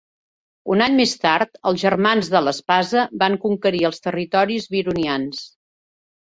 Un any més tard, els Germans de l'Espasa van conquerir els territoris vironians.